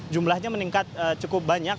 jumlahnya meningkat cukup banyak